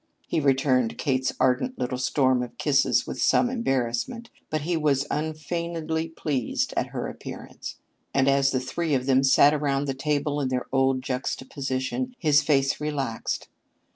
He returned Kate's ardent little storm of kisses with some embarrassment, but he was unfeignedly pleased at her appearance, and as the three of them sat about the table in their old juxtaposition, his face relaxed.